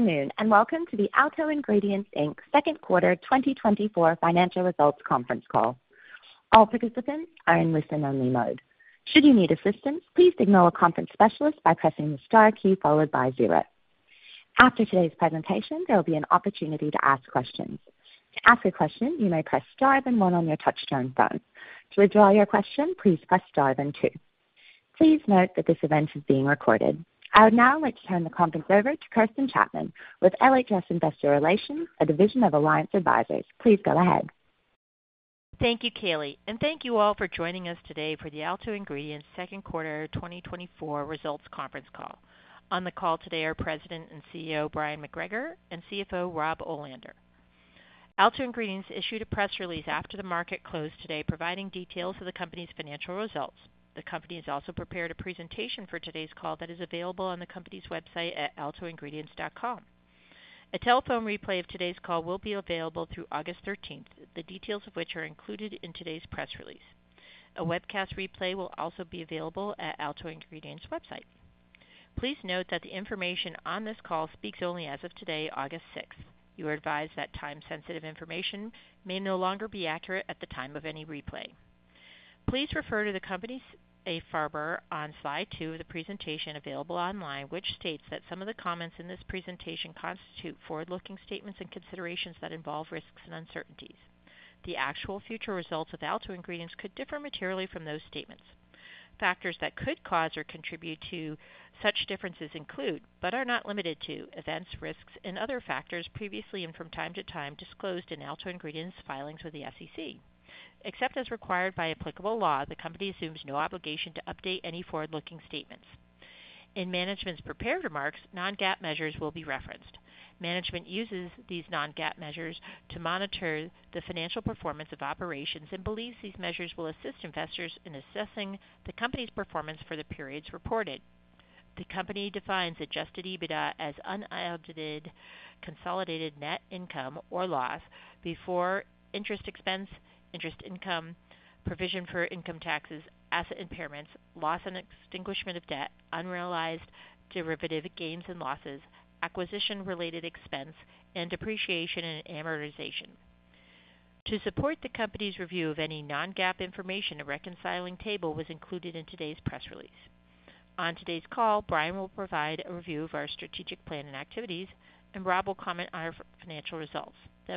Good afternoon, and welcome to the Alto Ingredients, Inc., Q2 2024 Financial Results Conference Call. All participants are in listen-only mode. Should you need assistance, please signal a conference specialist by pressing the star key followed by 0. After today's presentation, there will be an opportunity to ask questions. To ask a question, you may press Star then 1 on your touchtone phone. To withdraw your question, please press Star then 2. Please note that this event is being recorded. I would now like to turn the conference over to Kirsten Chapman with LHS Investor Relations, a division of Alliance Advisors. Please go ahead. Thank you, Kaylee, and thank you all for joining us today for the Alto Ingredients Q2 2024 Results Conference Call. On the call today are President and CEO, Bryon McGregor, and CFO, Rob Olander. Alto Ingredients issued a press release after the market closed today, providing details of the company's financial results. The company has also prepared a presentation for today's call that is available on the company's website at altoingredients.com. A telephone replay of today's call will be available through August thirteenth, the details of which are included in today's press release. A webcast replay will also be available at Alto Ingredients' website. Please note that the information on this call speaks only as of today, August sixth. You are advised that time-sensitive information may no longer be accurate at the time of any replay. Please refer to the company's safe harbor on slide 2 of the presentation available online, which states that some of the comments in this presentation constitute forward-looking statements and considerations that involve risks and uncertainties. The actual future results of Alto Ingredients could differ materially from those statements. Factors that could cause or contribute to such differences include, but are not limited to, events, risks, and other factors previously and from time to time disclosed in Alto Ingredients' filings with the SEC. Except as required by applicable law, the Company assumes no obligation to update any forward-looking statements. In management's prepared remarks, non-GAAP measures will be referenced. Management uses these non-GAAP measures to monitor the financial performance of operations and believes these measures will assist investors in assessing the company's performance for the periods reported. The company defines Adjusted EBITDA as unaudited, consolidated net income or loss before interest expense, interest income, provision for income taxes, asset impairments, loss and extinguishment of debt, unrealized derivative gains and losses, acquisition-related expense, and depreciation and amortization. To support the company's review of any non-GAAP information, a reconciling table was included in today's press release. On today's call, Bryon will provide a review of our strategic plan and activities, and Rob will comment on our financial results.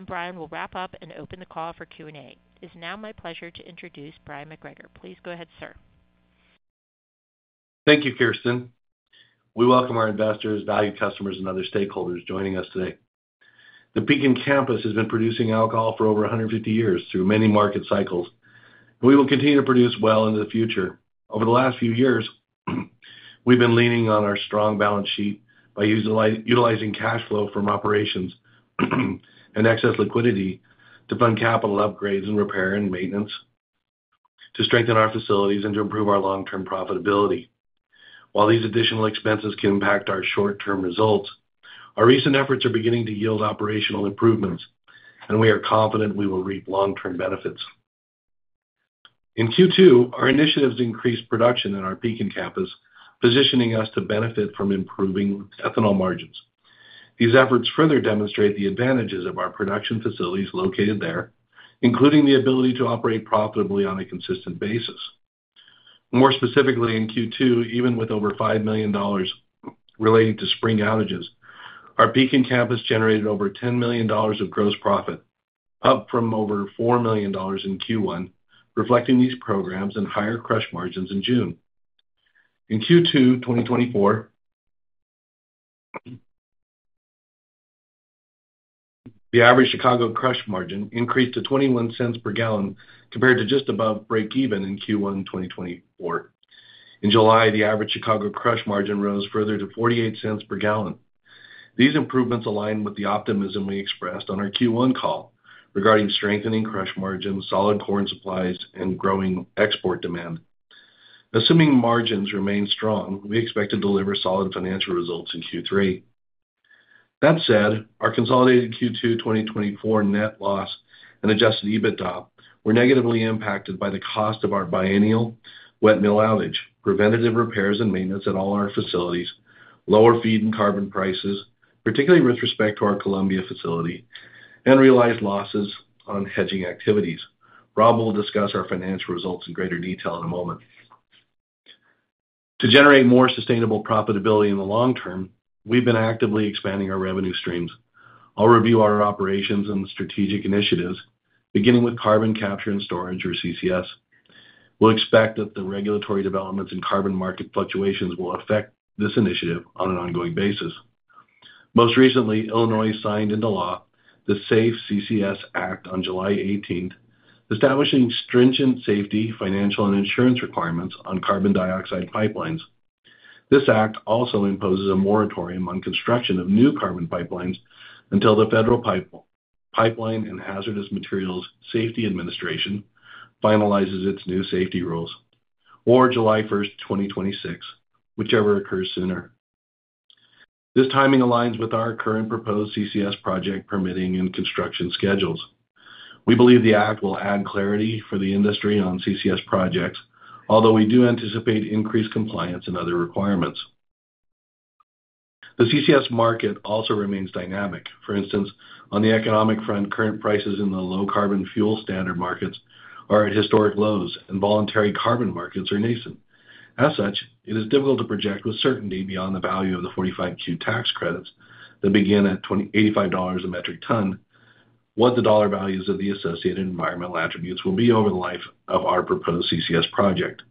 Bryon will wrap up and open the call for Q&A. It's now my pleasure to introduce Bryon McGregor. Please go ahead, sir. Thank you, Kirsten. We welcome our investors, valued customers, and other stakeholders joining us today. The Pekin Campus has been producing alcohol for over 150 years through many market cycles. We will continue to produce well into the future. Over the last few years, we've been leaning on our strong balance sheet by utilizing cash flow from operations and excess liquidity to fund capital upgrades and repair and maintenance, to strengthen our facilities and to improve our long-term profitability. While these additional expenses can impact our short-term results, our recent efforts are beginning to yield operational improvements, and we are confident we will reap long-term benefits. In Q2, our initiatives increased production in our Pekin campus, positioning us to benefit from improving ethanol margins. These efforts further demonstrate the advantages of our production facilities located there, including the ability to operate profitably on a consistent basis. More specifically, in Q2, even with over $5 million related to spring outages, our Pekin Campus generated over $10 million of gross profit, up from over $4 million in Q1, reflecting these programs and higher crush margins in June. In Q2 2024, the average Chicago crush margin increased to 21 cents per gallon, compared to just above breakeven in Q1 2024. In July, the average Chicago crush margin rose further to 48 cents per gallon. These improvements align with the optimism we expressed on our Q1 call regarding strengthening crush margins, solid corn supplies, and growing export demand. Assuming margins remain strong, we expect to deliver solid financial results in Q3. That said, our consolidated Q2 2024 net loss and adjusted EBITDA were negatively impacted by the cost of our biennial wet mill outage, preventative repairs and maintenance at all our facilities, lower feed and carbon prices, particularly with respect to our Columbia facility, and realized losses on hedging activities. Rob will discuss our financial results in greater detail in a moment. To generate more sustainable profitability in the long term, we've been actively expanding our revenue streams. I'll review our operations and strategic initiatives, beginning with carbon capture and storage, or CCS. We'll expect that the regulatory developments in carbon market fluctuations will affect this initiative on an ongoing basis. Most recently, Illinois signed into law the SAFE CCS Act on July eighteenth, establishing stringent safety, financial, and insurance requirements on carbon dioxide pipelines. This act also imposes a moratorium on construction of new carbon pipelines until the Federal Pipeline and Hazardous Materials Safety Administration finalizes its new safety rules, or July 1, 2026, whichever occurs sooner. This timing aligns with our current proposed CCS project permitting and construction schedules. We believe the act will add clarity for the industry on CCS projects, although we do anticipate increased compliance and other requirements. The CCS market also remains dynamic. For instance, on the economic front, current prices in the Low Carbon Fuel Standard markets are at historic lows, and voluntary carbon markets are nascent. As such, it is difficult to project with certainty beyond the value of the 45Q tax credits that begin at $85 a metric ton, what the dollar values of the associated environmental attributes will be over the life of our proposed CCS project.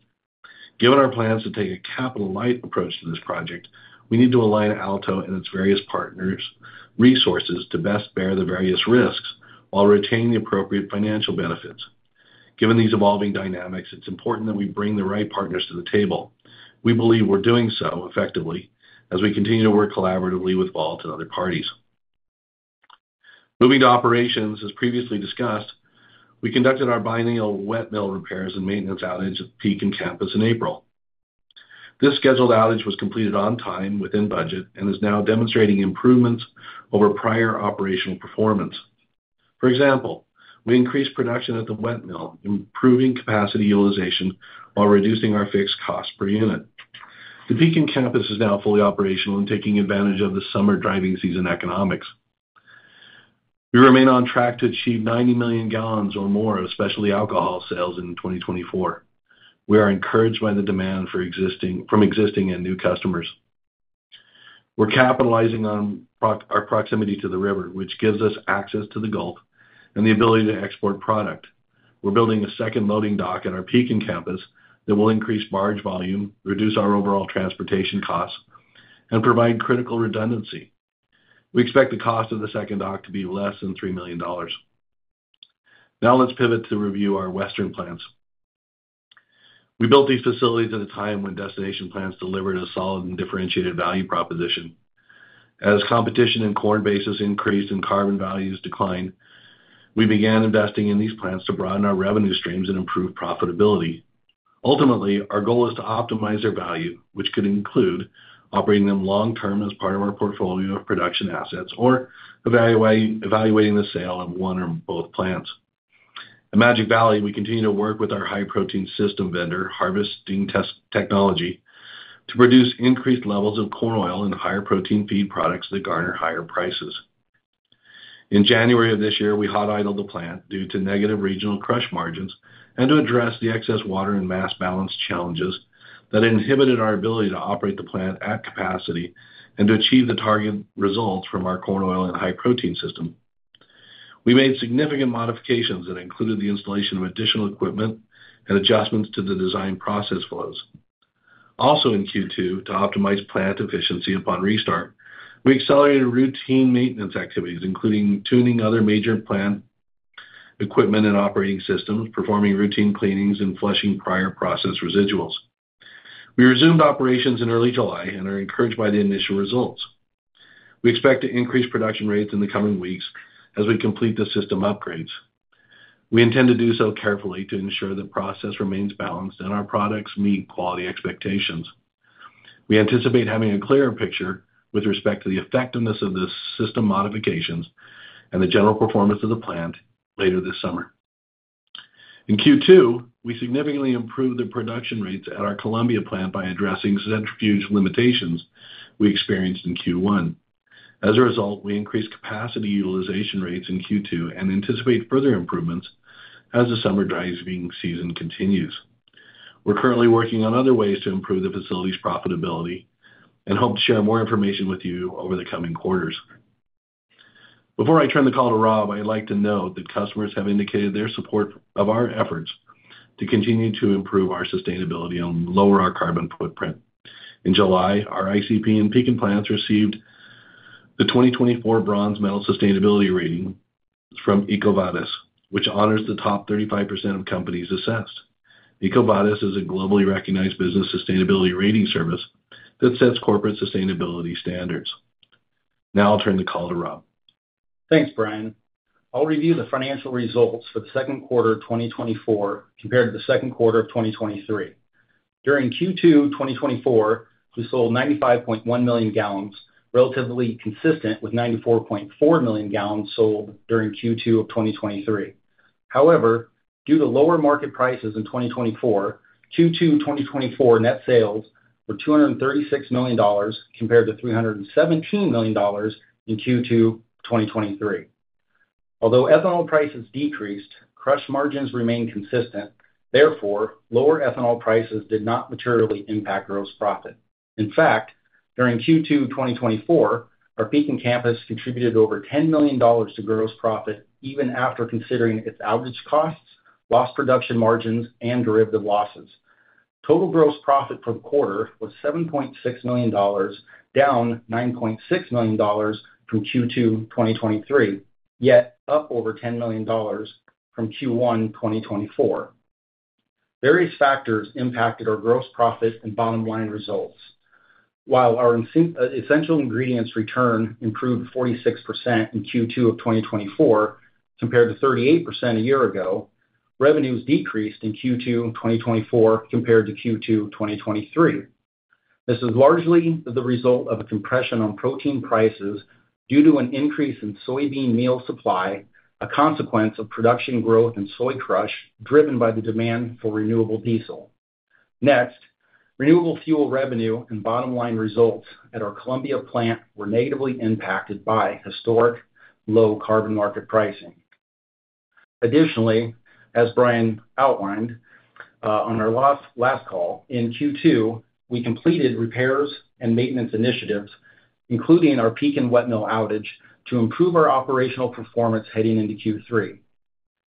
Given our plans to take a capital-light approach to this project, we need to align Alto and its various partners' resources to best bear the various risks while retaining the appropriate financial benefits. Given these evolving dynamics, it's important that we bring the right partners to the table. We believe we're doing so effectively as we continue to work collaboratively with Vault and other parties. Moving to operations, as previously discussed, we conducted our biannual wet mill repairs and maintenance outage at Pekin Campus in April. This scheduled outage was completed on time, within budget, and is now demonstrating improvements over prior operational performance. For example, we increased production at the wet mill, improving capacity utilization while reducing our fixed cost per unit. The Pekin Campus is now fully operational and taking advantage of the summer driving season economics. We remain on track to achieve 90 million gallons or more of Specialty Alcohol sales in 2024. We are encouraged by the demand from existing and new customers. We're capitalizing on our proximity to the river, which gives us access to the Gulf and the ability to export product. We're building a second loading dock at our Pekin Campus that will increase barge volume, reduce our overall transportation costs, and provide critical redundancy. We expect the cost of the second dock to be less than $3 million. Now let's pivot to review our Western plants. We built these facilities at a time when destination plants delivered a solid and differentiated value proposition. As competition and corn basis increased and carbon values declined, we began investing in these plants to broaden our revenue streams and improve profitability. Ultimately, our goal is to optimize their value, which could include operating them long term as part of our portfolio of production assets, or evaluating, evaluating the sale of one or both plants. At Magic Valley, we continue to work with our high-protein system vendor, Harvesting Technology, to produce increased levels of corn oil and higher protein feed products that garner higher prices. In January of this year, we hot idled the plant due to negative regional crush margins and to address the excess water and mass balance challenges that inhibited our ability to operate the plant at capacity and to achieve the target results from our corn oil and high protein system. We made significant modifications that included the installation of additional equipment and adjustments to the design process flows. Also in Q2, to optimize plant efficiency upon restart, we accelerated routine maintenance activities, including tuning other major plant equipment and operating systems, performing routine cleanings, and flushing prior process residuals. We resumed operations in early July and are encouraged by the initial results. We expect to increase production rates in the coming weeks as we complete the system upgrades. We intend to do so carefully to ensure the process remains balanced and our products meet quality expectations. We anticipate having a clearer picture with respect to the effectiveness of the system modifications and the general performance of the plant later this summer. In Q2, we significantly improved the production rates at our Columbia plant by addressing centrifuge limitations we experienced in Q1. As a result, we increased capacity utilization rates in Q2 and anticipate further improvements as the summer driving season continues. We're currently working on other ways to improve the facility's profitability and hope to share more information with you over the coming quarters. Before I turn the call to Rob, I'd like to note that customers have indicated their support of our efforts to continue to improve our sustainability and lower our carbon footprint. In July, our ICP and Pekin plants received the 2024 Bronze Medal Sustainability Rating from EcoVadis, which honors the top 35% of companies assessed. EcoVadis is a globally recognized business sustainability rating service that sets corporate sustainability standards. Now I'll turn the call to Rob. Thanks, Bryon. I'll review the financial results for the Q2 of 2024 compared to the Q2 of 2023. During Q2 2024, we sold 95.1 million gallons, relatively consistent with 94.4 million gallons sold during Q2 of 2023. However, due to lower market prices in 2024, Q2 2024 net sales were $236 million, compared to $317 million in Q2 2023. Although ethanol prices decreased, crush margins remained consistent. Therefore, lower ethanol prices did not materially impact gross profit. In fact, during Q2 2024, our Pekin campus contributed over $10 million to gross profit, even after considering its outage costs, lost production margins, and derivative losses. Total gross profit for the quarter was $7.6 million, down $9.6 million from Q2 2023, yet up over $10 million from Q1 2024. Various factors impacted our gross profit and bottom-line results. While our Essential Ingredients return improved 46% in Q2 2024 compared to 38% a year ago, revenues decreased in Q2 2024 compared to Q2 2023. This is largely the result of a compression on protein prices due to an increase in soybean meal supply, a consequence of production growth and soy crush, driven by the demand for renewable diesel. Next, renewable fuel revenue and bottom-line results at our Columbia plant were negatively impacted by historic low carbon market pricing. Additionally, as Bryon outlined on our last call, in Q2, we completed repairs and maintenance initiatives, including our Pekin and wet mill outage, to improve our operational performance heading into Q3.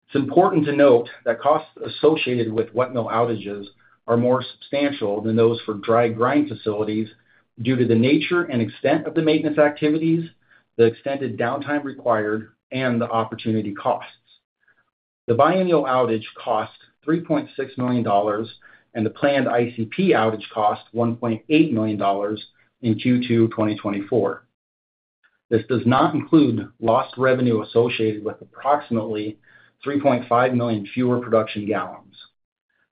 It's important to note that costs associated with wet mill outages are more substantial than those for dry grind facilities due to the nature and extent of the maintenance activities, the extended downtime required, and the opportunity costs. The biennial outage cost $3.6 million, and the planned ICP outage cost $1.8 million in Q2 2024. This does not include lost revenue associated with approximately 3.5 million fewer production gallons.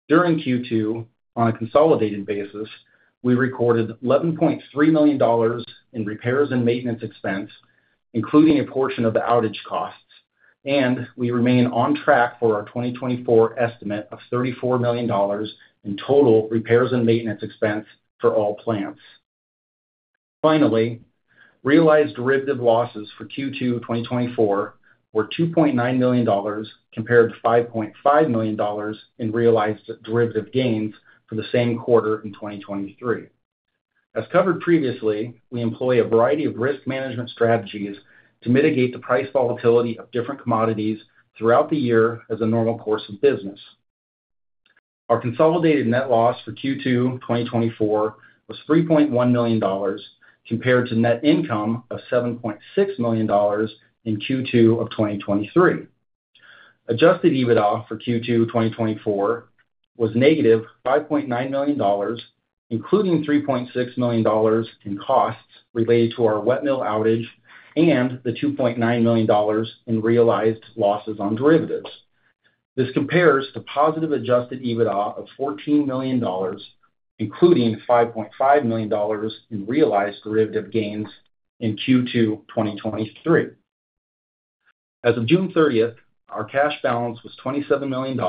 During Q2, on a consolidated basis, we recorded $11.3 million in repairs and maintenance expense, including a portion of the outage costs, and we remain on track for our 2024 estimate of $34 million in total repairs and maintenance expense for all plants. Finally, realized derivative losses for Q2 2024 were $2.9 million, compared to $5.5 million in realized derivative gains for the same quarter in 2023. As covered previously, we employ a variety of risk management strategies to mitigate the price volatility of different commodities throughout the year as a normal course of business. Our consolidated net loss for Q2 2024 was $3.1 million, compared to net income of $7.6 million in Q2 of 2023. Adjusted EBITDA for Q2 2024 was -$5.9 million, including $3.6 million in costs related to our wet mill outage and the $2.9 million in realized losses on derivatives. This compares to positive adjusted EBITDA of $14 million, including $5.5 million in realized derivative gains in Q2 2023. As of June 30, our cash balance was $27 million,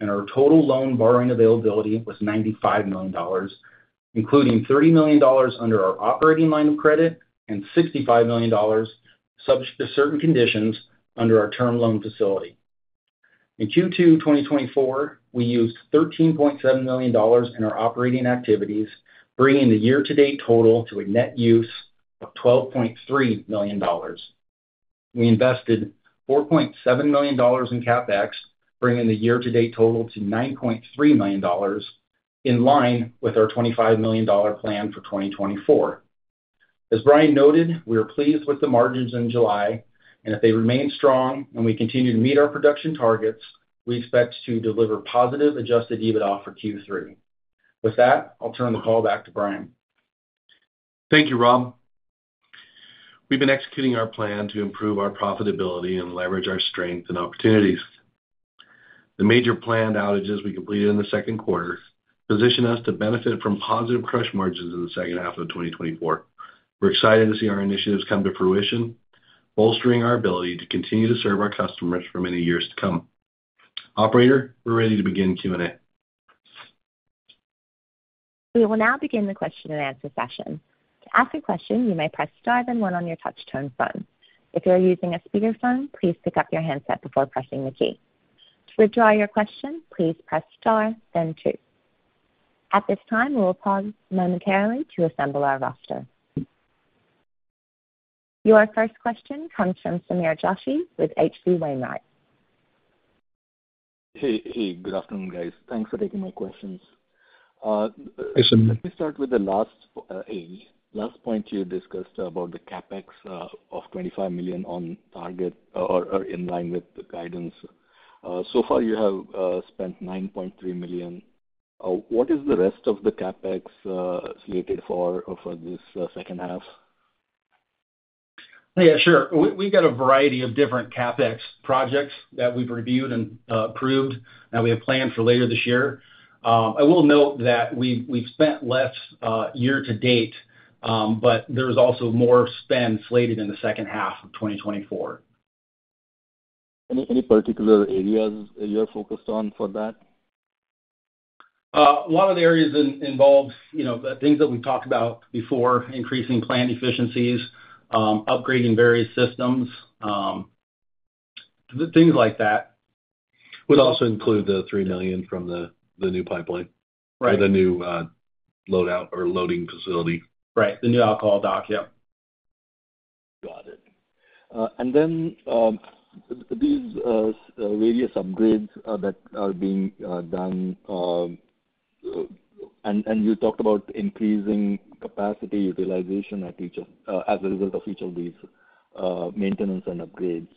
and our total loan borrowing availability was $95 million, including $30 million under our operating line of credit and $65 million, subject to certain conditions, under our term loan facility. In Q2 2024, we used $13.7 million in our operating activities, bringing the year-to-date total to a net use of $12.3 million. We invested $4.7 million in CapEx, bringing the year-to-date total to $9.3 million, in line with our $25 million-dollar plan for 2024. As Bryon noted, we are pleased with the margins in July, and if they remain strong and we continue to meet our production targets, we expect to deliver positive Adjusted EBITDA for Q3. With that, I'll turn the call back to Bryon. Thank you, Rob. We've been executing our plan to improve our profitability and leverage our strength and opportunities. The major planned outages we completed in the Q2 position us to benefit from positive crush margins in the H2 of 2024. We're excited to see our initiatives come to fruition, bolstering our ability to continue to serve our customers for many years to come. Operator, we're ready to begin Q&A. We will now begin the question-and-answer session. To ask a question, you may press star then one on your touch-tone phone. If you are using a speakerphone, please pick up your handset before pressing the key. To withdraw your question, please press star then two. At this time, we will pause momentarily to assemble our roster. Your first question comes from Sameer Joshi with H.C. Wainwright. Hey, hey, good afternoon, guys. Thanks for taking my questions. Hey, Sameer. Let me start with the last point you discussed about the CapEx of $25 million on target or in line with the guidance. So far, you have spent $9.3 million. What is the rest of the CapEx slated for this H2? We got a variety of different CapEx projects that we've reviewed and approved, that we have planned for later this year. I will note that we've spent less year to date, but there is also more spend slated in the H2 of 2024. Any particular areas you are focused on for that? A lot of the areas involves, you know, the things that we talked about before, increasing plant efficiencies, upgrading various systems, things like that. Would also include the $3 million from the new pipeline- Right. - or the new, load out or loading facility. Right. The new alcohol dock. Yep. Got it. And then these various upgrades that are being done, and you talked about increasing capacity utilization at each of—as a result of each of these maintenance and upgrades.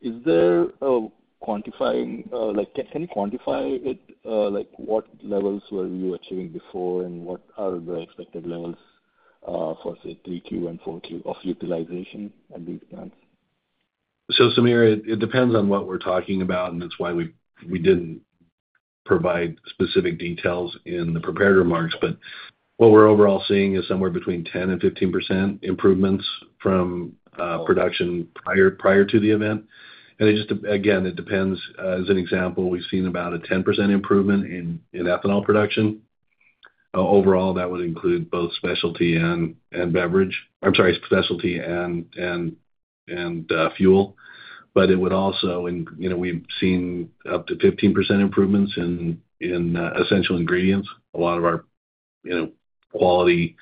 Is there a quantifying—like, can you quantify it? Like, what levels were you achieving before, and what are the expected levels for, say, 3Q and 4Q of utilization at these plants? Sameer, it depends on what we're talking about, and that's why we didn't provide specific details in the prepared remarks. But what we're overall seeing is somewhere between 10% and 15% improvements from production prior to the event. And it just, again, it depends. As an example, we've seen about a 10% improvement in ethanol production. Overall, that would include both specialty and beverage. I'm sorry, specialty and fuel. But it would also, and, you know, we've seen up to 15% improvements in essential ingredients. A lot of our, you know, quality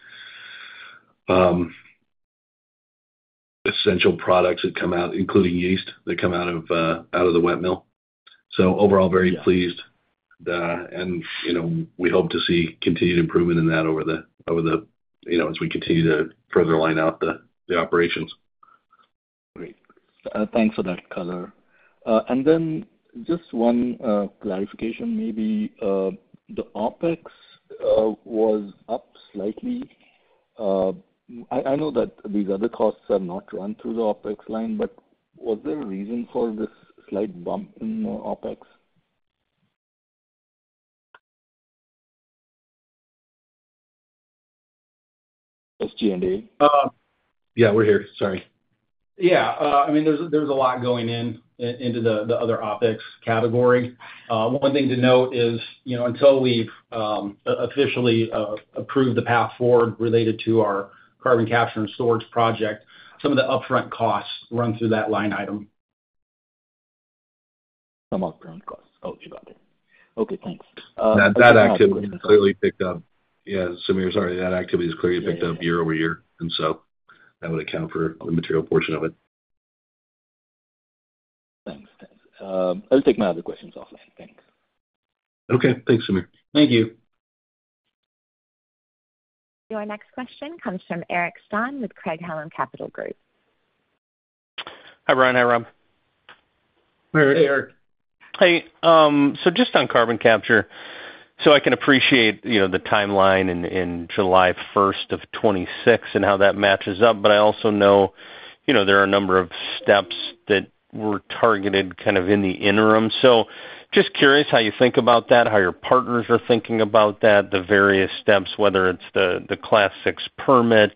essential products that come out, including yeast, that come out of the wet mill. So overall, very pleased. You know, we hope to see continued improvement in that over the you know, as we continue to further line out the operations. Great. Thanks for that color. And then just one clarification, maybe, the OpEx was up slightly. I know that these other costs are not run through the OpEx line, but was there a reason for this slight bump in the OpEx? SG&A. We're here. Sorry. There's a lot going into the other OpEx category. One thing to note is, you know, until we've officially approved the path forward related to our carbon capture and storage project, some of the upfront costs run through that line item. Some upfront costs. Oh, got it. Okay, thanks. That, that activity clearly picked up. Sameer, sorry, that activity is clearly picked up year over year, and so that would account for the material portion of it. Thanks. Thanks. I'll take my other questions offline. Thanks. Thanks, Sameer. Thank you. Your next question comes from Eric Stine with Craig-Hallum Capital Group. Hi, Bryon. Hi, Rob. Hey, Eric. Hey, so just on carbon capture. So I can appreciate, you know, the timeline in July 1, 2026 and how that matches up, but I also know, you know, there are a number of steps that were targeted in the interim. So just curious how you think about that, how your partners are thinking about that, the various steps, whether it's the Class VI Permit,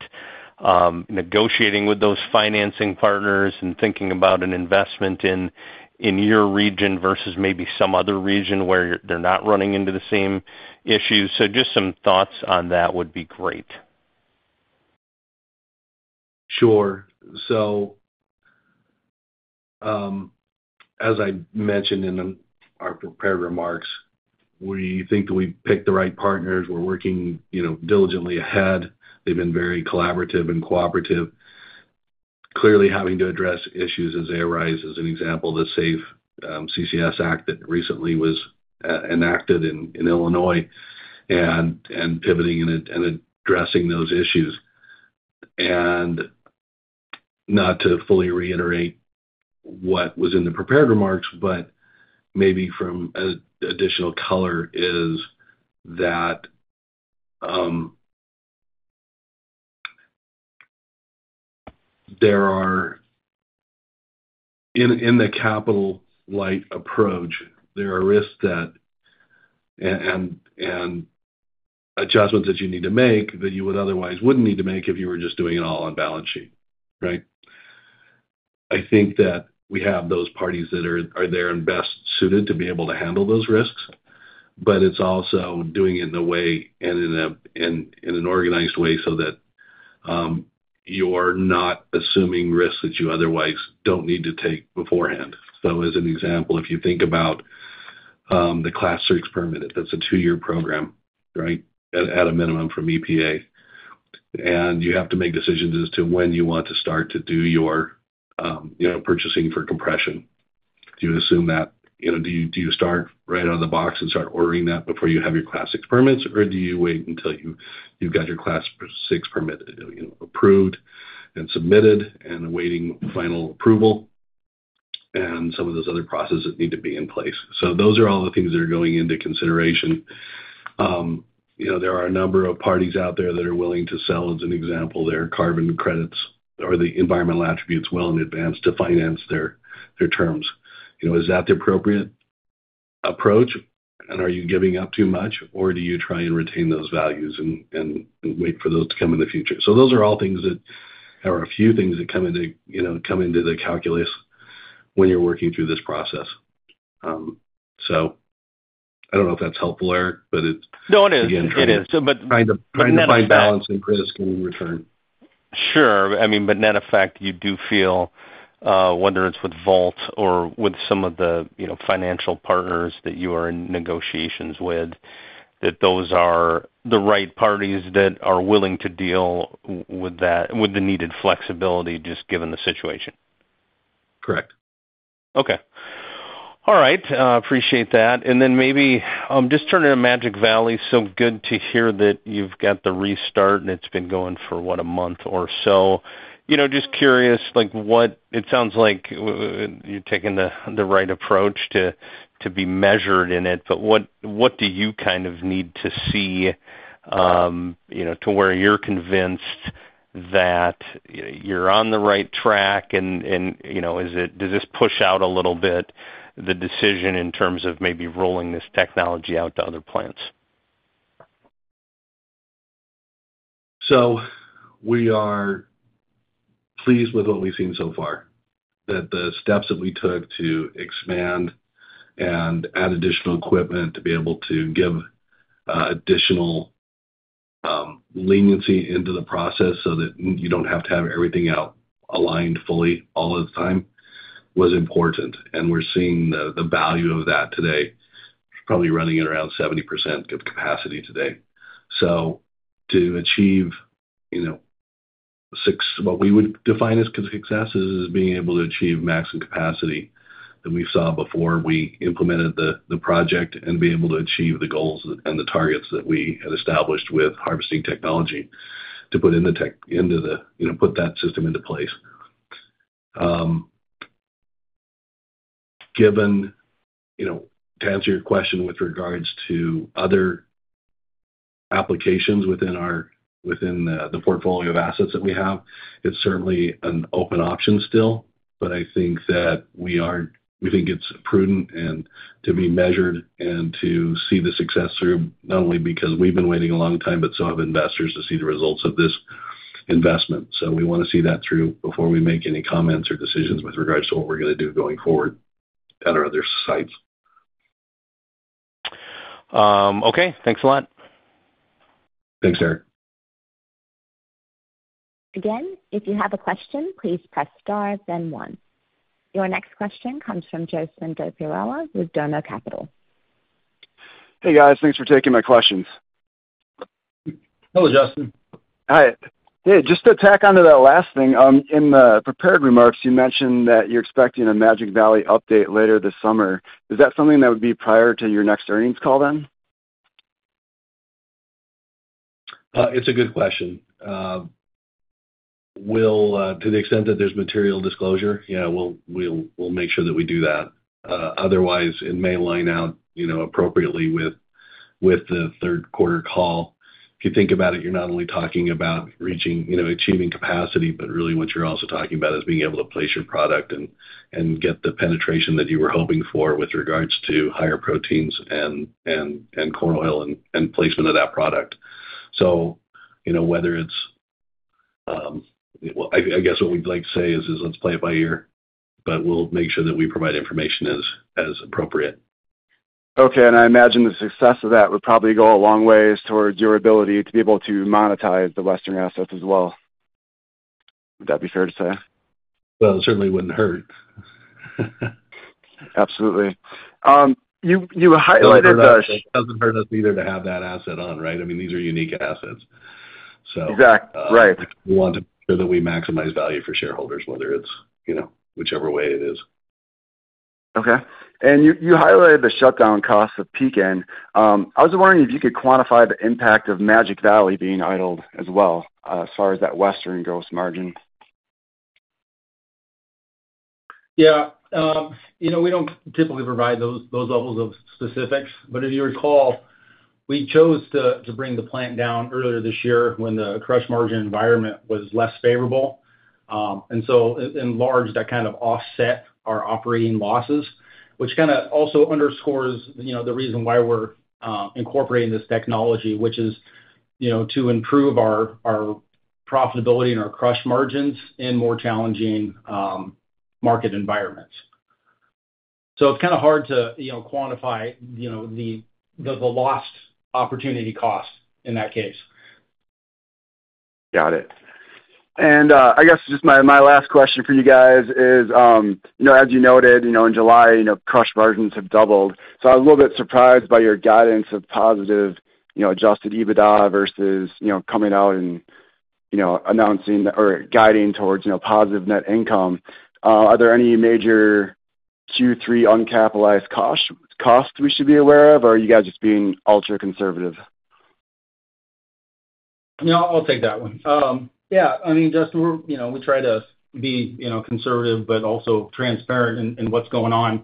negotiating with those financing partners and thinking about an investment in your region versus maybe some other region where you're, they're not running into the same issues. So just some thoughts on that would be great. Sure. So, as I mentioned in our prepared remarks, we think that we picked the right partners. We're working, you know, diligently ahead. They've been very collaborative and cooperative, clearly having to address issues as they arise. As an example, the SAFE CCS Act that recently was enacted in Illinois and pivoting and addressing those issues. And not to fully reiterate what was in the prepared remarks, but maybe from an additional color, is that there are in the capital light approach, there are risks that a- and adjustments that you need to make that you would otherwise wouldn't need to make if you were just doing it all on balance sheet, right? I think that we have those parties that are there and best suited to be able to handle those risks, but it's also doing it in a way and in an organized way so that you're not assuming risks that you otherwise don't need to take beforehand. So as an example, if you think about the Class VI Permit, that's a two-year program, right, at a minimum from EPA. And you have to make decisions as to when you want to start to do your, you know, purchasing for compression. Do you assume that, you know, do you start right out of the box and start ordering that before you have your Class VI Permit? Or do you wait until you, you've got your Class VI Permit, you know, approved and submitted and awaiting final approval, and some of those other processes need to be in place? So those are all the things that are going into consideration. You know, there are a number of parties out there that are willing to sell, as an example, their carbon credits or the environmental attributes well in advance to finance their, their terms. You know, is that the appropriate approach, and are you giving up too much, or do you try and retain those values and, and wait for those to come in the future? So those are all things that, or a few things that come into, you know, come into the calculus when you're working through this process. So I don't know if that's helpful, Eric, but it's- No, it is.It is. So, but- Trying to find balance and risk in return. Sure. I mean, but net effect, you do feel, whether it's with Vault or with some of the, you know, financial partners that you are in negotiations with, that those are the right parties that are willing to deal with that, with the needed flexibility, just given the situation? Correct. Okay. All right, appreciate that. And then maybe, just turning to Magic Valley, so good to hear that you've got the restart and it's been going for, what, a month or so. Just curious, like, it sounds like you're taking the right approach to be measured in it, but what do you need to see, where you're convinced that you're on the right track, and does this push out a little bit, the decision in terms of maybe rolling this technology out to other plants? So we are pleased with what we've seen so far, that the steps that we took to expand and add additional equipment, to be able to give additional leniency into the process so that you don't have to have everything out aligned fully all of the time, was important, and we're seeing the value of that today, probably running at around 70% of capacity today. So to achieve, what we would define as success is being able to achieve maximum capacity than we saw before we implemented the project, and being able to achieve the goals and the targets that we had established with harvesting technology to put in the tech into the put that system into place. Given to answer your question with regards to other applications within the portfolio of assets that we have, it's certainly an open option still, but I think that we think it's prudent and to be measured and to see the success through, not only because we've been waiting a long time, but so have investors, to see the results of this investment. So we wanna see that through before we make any comments or decisions with regards to what we're gonna do going forward at our other sites. Okay. Thanks a lot. Thanks, Eric. Again, if you have a question, please press star then one. Your next question comes from Justin Dopierala with Domo Capital. Thanks for taking my questions. Hello, Justin. Just to tack on to that last thing, in the prepared remarks, you mentioned that you're expecting a Magic Valley update later this summer. Is that something that would be prior to your next earnings call then? It's a good question. We'll, to the extent that there's material disclosure, we'll make sure that we do that. Otherwise, it may line out appropriately with the Q3 call. If you think about it, you're not only talking about reaching achieving capacity, but really what you're also talking about is being able to place your product and, and get the penetration that you were hoping for with regards to higher proteins and, and, and corn oil and, and placement of that product. So, whether it's what we'd like to say is, is let's play it by ear, but we'll make sure that we provide information as, as appropriate. Okay, and I imagine the success of that would probably go a long ways towards your ability to be able to monetize the Western assets as well. Would that be fair to say? Well, it certainly wouldn't hurt. Absolutely. You highlighted the- It doesn't hurt us either to have that asset on, right? I mean, these are unique assets, so- Exactly. Right. We want to make sure that we maximize value for shareholders, whether it's whichever way it is. Okay. You, you highlighted the shutdown costs of Pekin. I was wondering if you could quantify the impact of Magic Valley being idled as well, as far as that Western gross margin? We don't typically provide those levels of specifics, but if you recall, we chose to bring the plant down earlier this year when the crush margin environment was less favorable. And so in large, that offset our operating losses, which kinda also underscores the reason why we're incorporating this technology, which is to improve our profitability and our crush margins in more challenging market environments. So it's hard to quantify the lost opportunity cost in that case. Got it. And, I guess just my last question for you guys is as you noted in July, crush margins have doubled, so I was a little bit surprised by your guidance of positive adjusted EBITDA versus coming out and announcing or guiding towards positive net income. Are there any major Q3 uncapitalized costs, costs we should be aware of, or are you guys just being ultra-conservative? No, I'll take that one. Justin, we try to be conservative but also transparent in, in what's going on.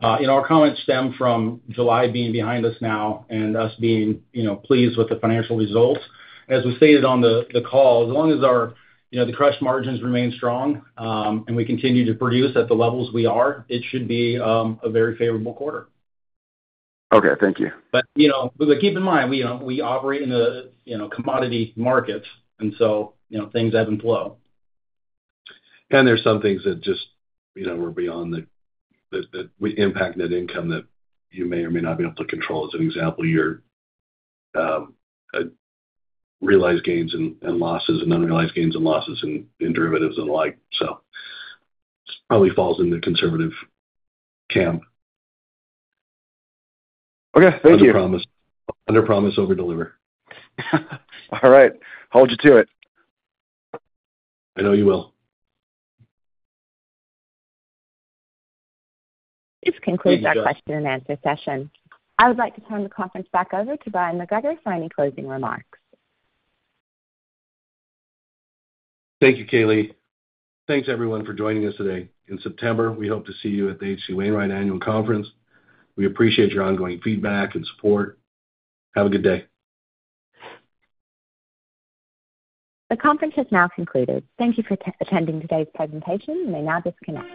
Our comments stem from July being behind us now and us being pleased with the financial results. As we stated on the, the call, as long as the crash margins remain strong, and we continue to produce at the levels we are, it should be a very favorable quarter. Okay, thank you. But keep in mind, we, we operate in a, commodity markets, and so things ebb and flow. There's some things that just, we're beyond that impact net income that you may or may not be able to control. As an example, your realized gains and losses and unrealized gains and losses in derivatives and the like, so this probably falls in the conservative camp. Okay, thank you. Underpromise. Underpromise, overdeliver. All right. Hold you to it. I know you will. This concludes our question and answer session. I would like to turn the conference back over to Bryon McGregor for any closing remarks. Thank you, Kaylee. Thanks, everyone, for joining us today. In September, we hope to see you at the H.C. Wainwright Annual Conference. We appreciate your ongoing feedback and support. Have a good day. The conference has now concluded. Thank you for attending today's presentation. You may now disconnect.